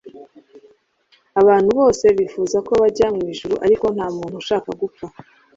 abantu bose bifuza ko bajya mu ijuru ariko nta muntu ushaka gupfa